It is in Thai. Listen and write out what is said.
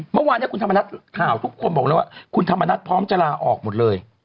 เมื่อวานเนี่ยคุณธรรมนัฐข่าวทุกคนบอกเลยว่าคุณธรรมนัฐพร้อมจะลาออกหมดเลย